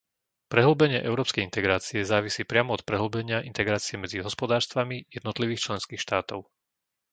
Prehĺbenie európskej integrácie závisí priamo od prehĺbenia integrácie medzi hospodárstvami jednotlivých členských štátov.